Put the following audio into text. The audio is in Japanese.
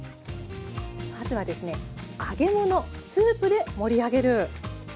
まずはですね「揚げ物・スープで盛り上げる」。